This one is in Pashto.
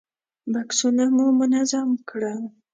بکسونه مو منظم کړل.